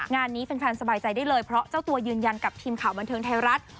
งานนี้แฟนสบายใจได้เลยเพราะเจ้าตัวยืนยันกับทีมข่าวบันเทิงไทยรัฐ